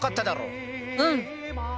うん。